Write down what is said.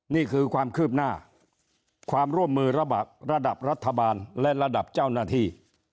นี่คือความคืบหน้าความร่วมมือระดับรัฐบาลและระดับเจ้าหน้าที่